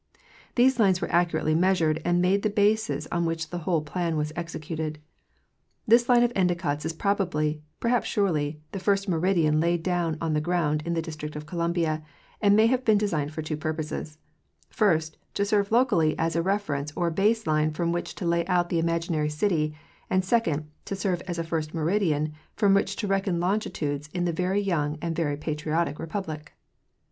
These lines were accurately measured and made the bases on which the whole plan was executed." This line of Ellicott's is probably, perhaps surely, the first meridian laid down on the ground in the District of Columbia, and may have been designed for two purposes: first, to serve locally as a reference or base line from which to lay out the then imaginary city, and second, to serve as a first meridian from which to reckon longitudes in the very young and very patriotic republic.